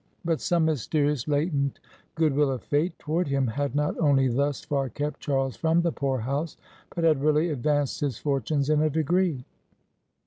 But some mysterious latent good will of Fate toward him, had not only thus far kept Charles from the Poor House, but had really advanced his fortunes in a degree.